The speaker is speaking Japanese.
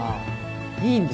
いいんです。